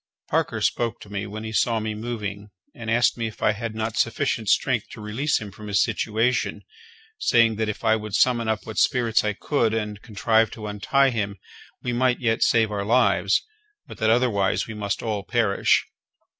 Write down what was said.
Parker spoke to me when he saw me moving, and asked me if I had not sufficient strength to release him from his situation, saying that if I would summon up what spirits I could, and contrive to untie him, we might yet save our lives; but that otherwise we must all perish.